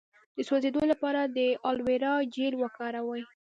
د سوځیدو لپاره د الوویرا جیل وکاروئ